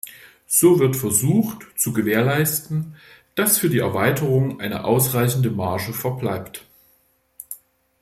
So wird versucht, zu gewährleisten, dass für die Erweiterung eine ausreichende Marge verbleibt.